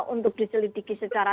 untuk dicelidiki secara